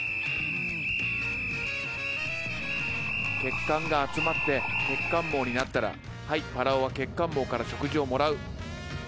血管が集まって血管網になったらはいぱらおは血管網から食事をもらう。